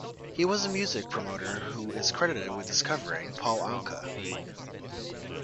He was a music promoter who is credited with discovering Paul Anka.